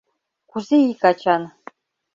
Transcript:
— Кузе ик ачан?